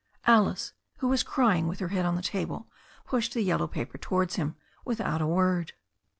Alice, who was crying with her head on the table, pushed the yellow paper towards him without a word.